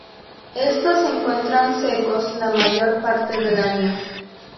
Estos se encuentran secos la mayor parte del año.